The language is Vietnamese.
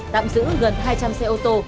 tạm giữ gần hai trăm linh xe ô tô